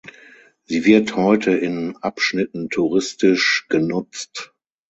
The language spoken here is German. Sie wird heute in Abschnitten touristisch genutzt.